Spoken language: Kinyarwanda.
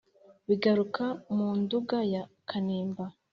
bigaruka mu nduga ya kanimba